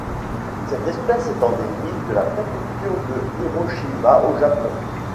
Cette espèce est endémique de la préfecture de Hiroshima au Japon.